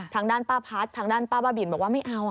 ทางด้านป้าพัฒน์ทางด้านป้าบ้าบินบอกว่าไม่เอา